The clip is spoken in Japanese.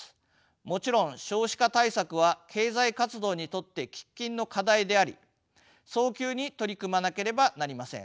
もちろん少子化対策は経済活動にとって喫緊の課題であり早急に取り組まなければなりません。